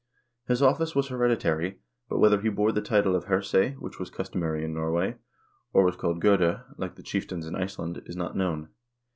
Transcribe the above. His office was heredi tary, but whether he bore the title of herse, which was customary in Norway, or was called gode, like the chieftains in Iceland, is not known.